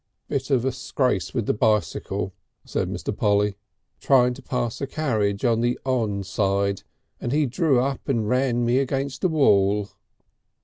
"Bit of a scrase with the bicycle," said Mr. Polly. "Trying to pass a carriage on the on side, and he drew up and ran me against a wall."